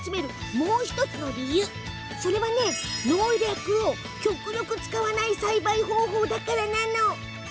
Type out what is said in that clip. もう１つの理由農薬を極力使わない栽培方法なの。